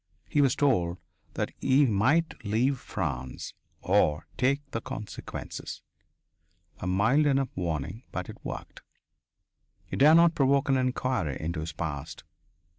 He was told that he might leave France, or take the consequences a mild enough warning, but it worked. He dared not provoke an inquiry into his past.